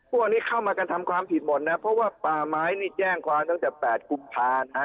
พวกนี้เข้ามากันทำความผิดหมดนะเพราะว่าป่าไม้นี่แจ้งความตั้งแต่๘กุมภานะฮะ